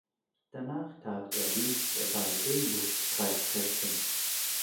Danach tat er Dienst bei den Luftstreitkräften.